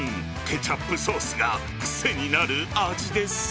ケチャップソースが癖になる味です。